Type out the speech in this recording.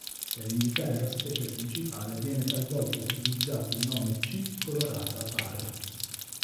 Per indicare la specie principale viene talvolta utilizzato il nome "C. colorata" var.